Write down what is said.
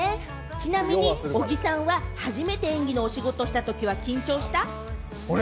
ちなみに小木さんは初めて演技のお仕事をしたときは緊張した？